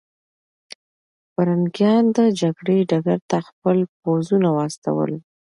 پرنګیان د جګړې ډګر ته خپل پوځونه واستول.